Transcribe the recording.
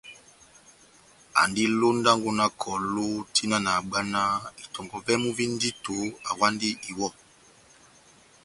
Andi londango na kɔlu tian nahábwanáh itɔngɔ vɛ́mu vi ndito awandi iwɔ.